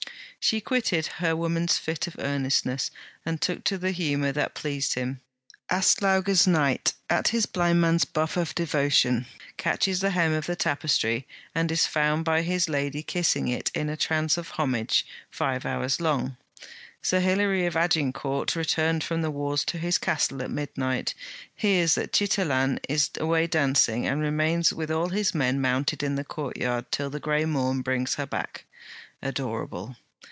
She quitted her woman's fit of earnestness, and took to the humour that pleased him. 'Aslauga's knight, at his blind man's buff of devotion, catches the hem of the tapestry and is found by his lady kissing it in a trance of homage five hours long! Sir Hilary of Agincourt, returned from the wars to his castle at midnight, hears that the chitellaine is away dancing, and remains with all his men mounted in the courtyard till the grey morn brings her back! Adorable!